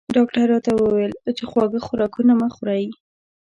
ډاکټر راته وویل چې خواږه خوراکونه مه خورئ